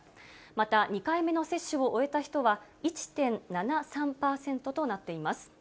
また２回目の接種を終えた人は１．７３％となっています。